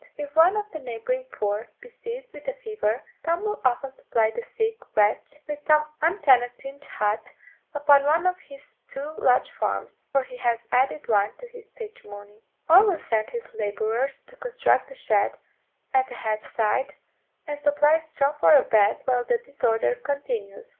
If one of the neighbouring poor be seized with a fever, Tom will often supply the sick wretch with some untenanted hut upon one of his two large farms (for he has added one to his patrimony), or will send his labourers to construct a shed at a hedge side, and supply straw for a bed while the disorder continues.